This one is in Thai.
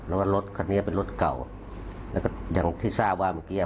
แล้วก็รถคันนี้เป็นรถเก่าแล้วก็อย่างที่ทราบว่าเมื่อกี้